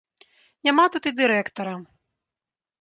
Няма тут і дырэктара.